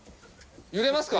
揺れますか？